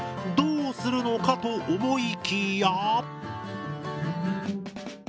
どうするのかと思いきや。